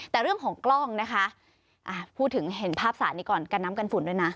แต่เรื่องของกล้องนะคะพูดถึงเห็นภาพสารนี้ก่อนกันน้ำกันฝุ่นด้วยนะ